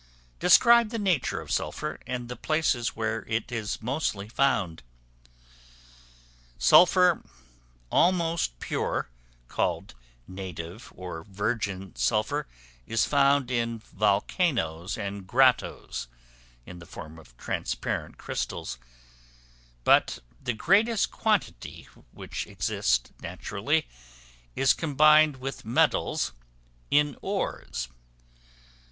Describe the nature of Sulphur, and the places where it is mostly found. Sulphur almost pure, called native or virgin sulphur, is found in volcanoes and grottoes, in the form of transparent crystals; but the greatest quantity which exists naturally is combined with metals in ores.